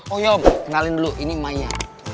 oh iya om kenalin dulu ini maya